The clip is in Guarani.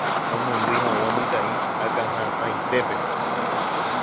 omondýi hag̃ua mitã'i akãhatãitépe.